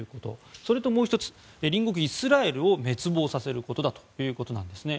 それともう１つ隣国イスラエルを滅亡させることということです。